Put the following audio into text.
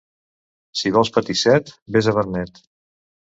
Si vols patir set, ves a Vernet.